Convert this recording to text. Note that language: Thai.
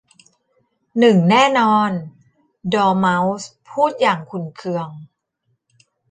หนึ่งแน่นอน ! 'ดอร์เม้าส์พูดอย่างขุ่นเคือง